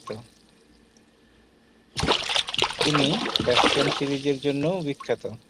তিনি প্যাশ্চেন সিরিজের জন্যও বিখ্যাত।